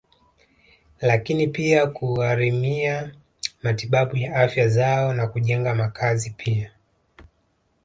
Lakini pia kugharimia matibabu ya afya zao na kujenga makazi pia